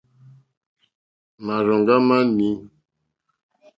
Màrzòŋɡá má nǐ.